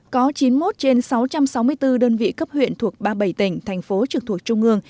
có chín mươi một trên sáu trăm sáu mươi bốn đơn vị cấp huyện thuộc ba mươi bảy tỉnh thành phố trực thuộc trung ương